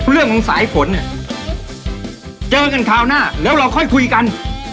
เรื่องของสายฝนเนี่ยเจอกันคราวหน้าแล้วเราค่อยคุยกัน